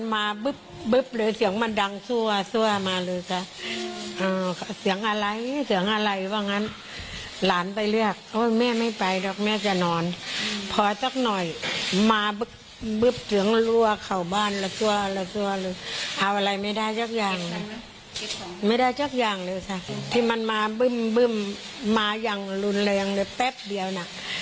ไม่ได้ทุกอย่างเลยสิท่ามันมาบึ้มบึ้มมาอย่างรุนแรงเลยแป๊บเดียวน่ะ